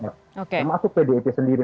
termasuk pdip sendiri